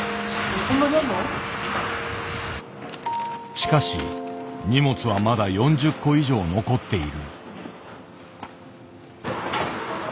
しかし荷物はまだ４０個以上残っている。